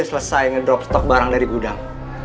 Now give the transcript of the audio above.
baru saja selesai ngedrop stok barang dari gudang